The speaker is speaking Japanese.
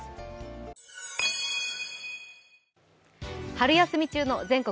春休み中の「全国！